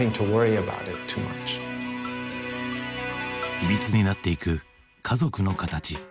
いびつになっていく家族の形。